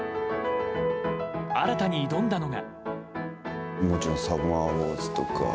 新たに挑んだのが。